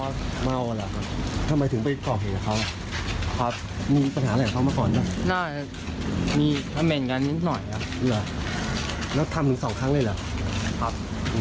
ขอโทษครับที่ทำเกินมาเหตุครับ